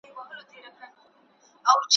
هم روزي کورونه هم مېلمه دی په پاللی ,